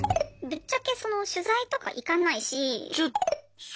ぶっちゃけその取材とか行かないし。